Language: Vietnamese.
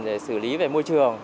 để xử lý về môi trường